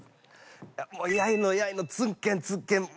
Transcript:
もうやいのやいのつんけんつんけん。